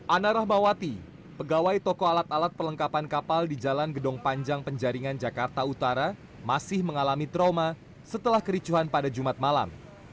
ana rahmawati pegawai toko alat alat pelengkapan kapal di jalan gedong panjang penjaringan jakarta utara masih mengalami trauma setelah kericuhan pada jumat malam